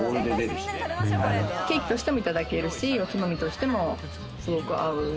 ケーキとしてもいただけるし、おつまみとしても合う。